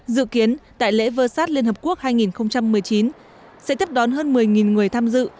dự kiến đại lễ vơ sát liên hợp quốc hai nghìn một mươi chín sẽ tiếp đón hơn một mươi người tham dự